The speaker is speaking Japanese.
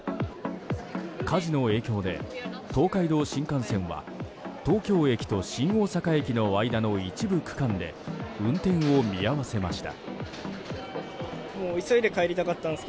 火事の影響で東海道新幹線は東京駅と新大阪駅の間の一部区間で運転を見合わせました。